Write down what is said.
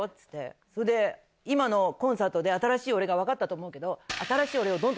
今のコンサートで新しい俺が分かったと思うけど。